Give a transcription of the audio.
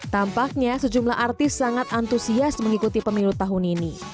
tampaknya sejumlah artis sangat antusias mengikuti pemilu tahun ini